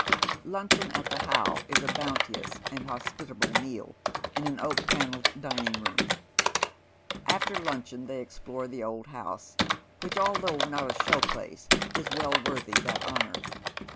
Luncheon at the How is a bounteous and hospitable meal, in an oak paneled dining room. After luncheon they explore the old house, which although not a show place, is well worthy that honour.